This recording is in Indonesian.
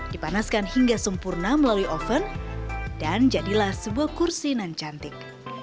dipanaskan hingga sempurna melalui oven dan jadilah sebuah kursi nan cantik